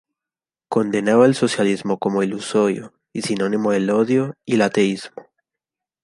Condenaba el socialismo como ilusorio y sinónimo del odio y el ateísmo.